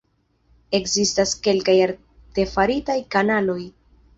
Ekzistas kelkaj artefaritaj kanaloj.